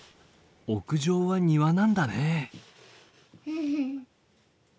屋上は庭なんだね。